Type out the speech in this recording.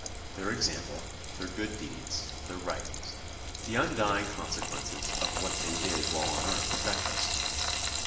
Their example, their good deeds, their writings, the undying consequences of what they did while on earth affect us.